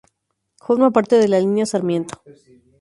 Forma parte de la Línea Sarmiento.